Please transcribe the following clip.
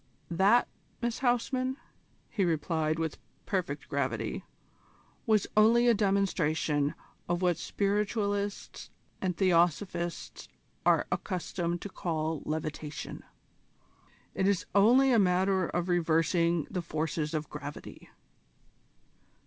"That, Miss Huysman," he replied with perfect gravity, "was only a demonstration of what Spiritualists and Theosophists are accustomed to call levitation. It is only a matter of reversing the force of gravity."